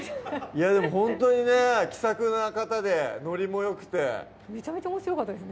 いやでもほんとにね気さくな方でノリもよくてめちゃめちゃおもしろかったです